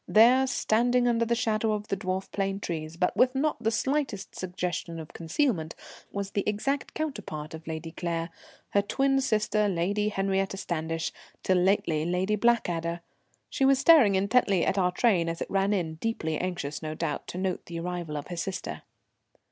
There, standing under the shadow of the dwarf plane trees, but with not the slightest suggestion of concealment, was the exact counterpart of Lady Claire, her twin sister, Lady Henriette Standish, till lately Lady Blackadder. She was staring intently at our train as it ran in, deeply anxious, no doubt, to note the arrival of her sister.